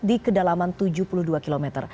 di kedalaman tujuh puluh dua km